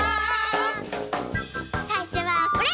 さいしょはこれ！